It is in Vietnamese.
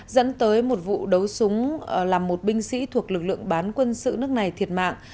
dẫn tới một vụ đấu súng làm một binh sĩ thuộc lực lượng bán quân sự nước này thiệt mạng